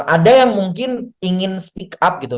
ada yang mungkin ingin speak up gitu